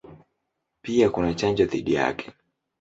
Pia kuna chanjo dhidi yake.